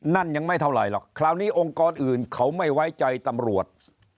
นั่นยังไม่เท่าไหร่หรอกคราวนี้องค์กรอื่นเขาไม่ไว้ใจตำรวจ